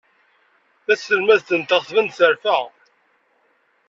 Taselmadt-nteɣ tban-d terfa.